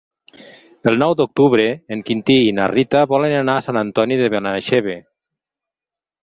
El nou d'octubre en Quintí i na Rita volen anar a Sant Antoni de Benaixeve.